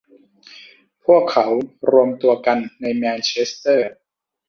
พวกเขารวมตัวกันในแมนเชสเตอร์